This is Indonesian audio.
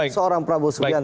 seorang prabowo suwian